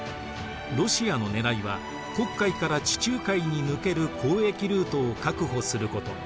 ロシアのねらいは黒海から地中海に抜ける交易ルートを確保すること。